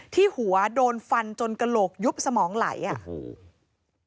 ที่หัวโดนฟันจนกระโหลกยุบสมองไหลอ่ะโอ้โห